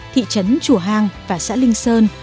thị trấn chùa hàng và xã linh sơn